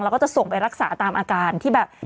แล้วก็จะส่งไปรักษาตามอาการที่แบบ